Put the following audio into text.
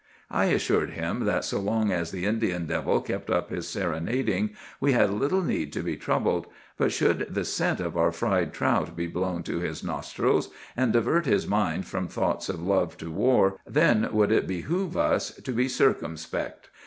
"I assured him that so long as the Indian devil kept up his serenading we had little need to be troubled; but should the scent of our fried trout be blown to his nostrils, and divert his mind from thoughts of love to war, then would it behoove us to be circumspect.